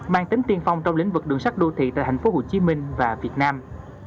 mang tính tiên phong trong lĩnh vực đường sắt đô thị tại thành phố hồ chí minh và việt nam